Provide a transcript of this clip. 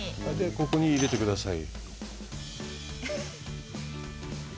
ここに入れてください。